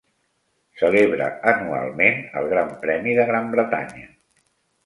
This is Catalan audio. Celebra anualment el Gran Premi de Gran Bretanya.